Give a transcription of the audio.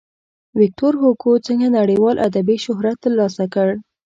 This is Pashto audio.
ویکتور هوګو څنګه نړیوال ادبي شهرت ترلاسه کړ.